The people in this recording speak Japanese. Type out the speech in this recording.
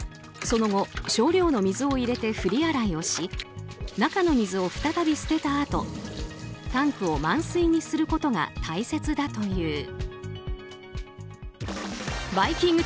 その後、少量の水を入れて振り洗いし中の水を再び捨てたあとタンクを満水にすることが大切だという。